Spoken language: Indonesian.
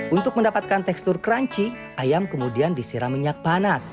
untuk mendapatkan tekstur crunchy ayam kemudian disiram minyak panas